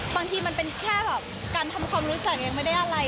บางทีมันเป็นแค่แบบการทำความรู้จักยังไม่ได้อะไร